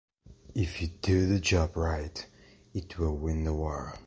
If you do the job right, it will win the war.